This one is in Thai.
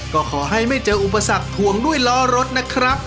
ก็ขอให้ไม่เจออุปสรรคถวงด้วยล้อรถนะครับ